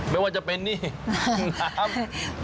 ไม่ว่าจะเป็นนี่น้ำ